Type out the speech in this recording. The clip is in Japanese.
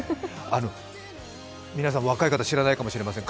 皆さん若い方知らないかもしれません。